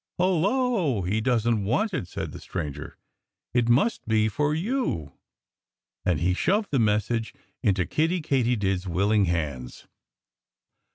"Hullo! He doesn't want it!" said the stranger. "It must be for you!" And he shoved the message into Kiddie Katydid's willing hands.